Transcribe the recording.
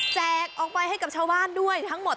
แจกออกไปให้กับชาวบ้านด้วยทั้งหมด